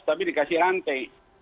tapi dikasih rantai